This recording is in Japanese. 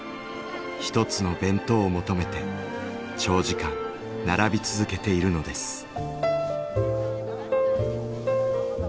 一つの弁当を求めて長時間並び続けているのです。